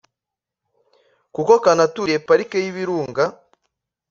kuko kanaturiye parike y’ibirunga